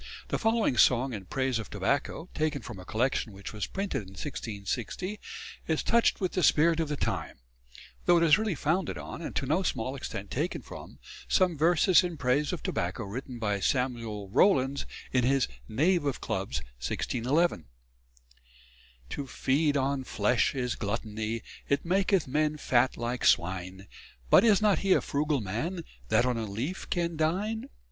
The following song in praise of tobacco, taken from a collection which was printed in 1660, is touched with the spirit of the time; though it is really founded on, and to no small extent taken from, some verses in praise of tobacco written by Samuel Rowlands in his "Knave of Clubs," 1611: _To feed on flesh is gluttony, It maketh men fat like swine; But is not he a frugal man That on a leaf can dine?